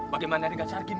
bagaimana dengan chargim